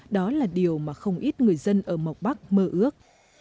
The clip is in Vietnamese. đó là điều mà không ít người dân ở mộc bắc mơ ước